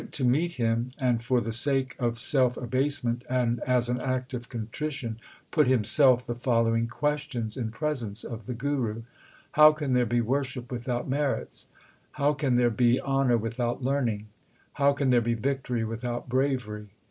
LIFE OF GURU ARJAN 59 meet him, and for the sake of self abasement and as an act of contrition put himself the following questions in presence of the Guru : How can there be worship without merits ? How can there be honour without learning? How can there be victory without bravery